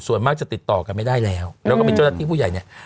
ส่วนมากจะติดต่อกันไม่ได้แล้วแล้วก็มีเจ้าหน้าที่ผู้ใหญ่เนี่ย